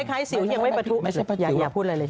คล้ายสิวยังไม่ประทุกอย่าพูดอะไรเลยครับไม่ใช่ประทุสิว